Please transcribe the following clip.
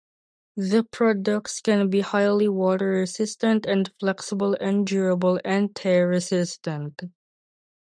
The products can be highly water resistant and flexible and durable and tear resistant.